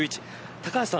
高橋さん